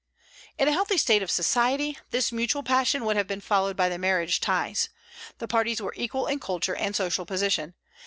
In a healthy state of society this mutual passion would have been followed by the marriage ties. The parties were equal in culture and social position.